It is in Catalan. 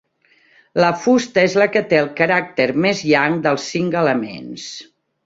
La fusta és la que té el caràcter més yang dels cinc elements.